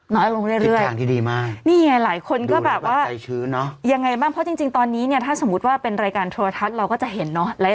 น้อยลงเรื่อยนี่ไงหลายคนก็แบบว่ายังไงบ้างเพราะจริงตอนนี้เนี่ยถ้าสมมุติว่าเป็นรายการทัวร์ทัศน์เราก็จะเห็นเนอะ